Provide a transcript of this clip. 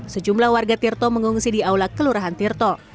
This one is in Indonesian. sejumlah warga tirto mengungsi di aula kelurahan tirto